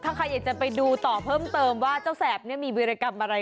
ถ้าใครอยากจะไปดูต่อเพิ่มเติมว่าเจ้าแสบมีวิรกรรมอะไร